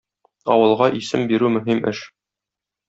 Авылга исем бирү мөһим эш.